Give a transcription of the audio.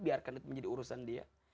biarkan itu menjadi urusan dia